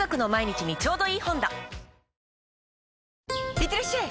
いってらっしゃい！